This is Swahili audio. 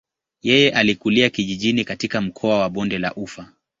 Yeye alikulia kijijini katika mkoa wa bonde la ufa.